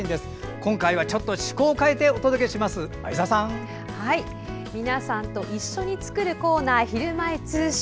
今回はちょっと趣向を変えて皆さんと一緒に作るコーナー「ひるまえ通信」。